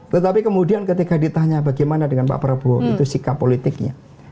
tetapi kemudian ketika ditanya bagaimana dengan pak prabowo itu sikap politiknya